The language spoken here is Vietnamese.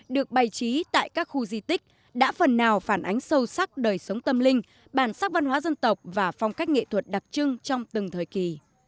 được bày trí tại các khu di tích đã phần nào phản ánh sâu sắc đời sống tâm linh bản sắc văn hóa dân tộc và phong cách nghệ thuật đặc trưng trong từng thời kỳ